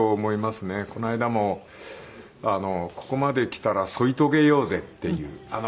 この間もここまで来たら添い遂げようぜっていう。